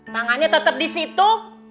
tangannya tetap di situ